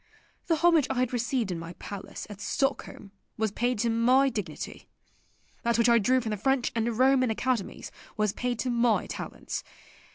The homage I had received in my palace at Stockholm was paid to my dignity. That which I drew from the French and Roman academies was paid to my talents.